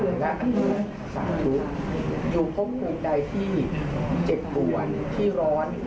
ให้อธิษฐานและอธิษฐานสาธุอยู่พบคุณใดที่เจ็บป่วนที่ร้อน